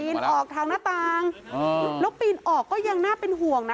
ออกทางหน้าต่างแล้วปีนออกก็ยังน่าเป็นห่วงนะ